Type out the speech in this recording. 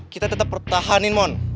kita tetap pertahanin mon